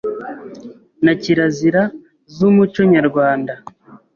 na kirazira z’umuco Nyarwanda;